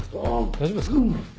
大丈夫ですか？